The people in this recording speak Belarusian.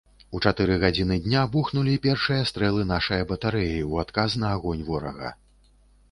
У чатыры гадзіны дня бухнулі першыя стрэлы нашае батарэі ў адказ на агонь ворага.